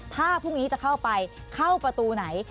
ถ้าพรุ่งนี้จะเข้าไปเข้าประตูไหน